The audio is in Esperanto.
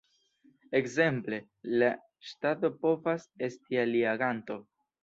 Ekzemple la ŝtato povas esti alia aganto.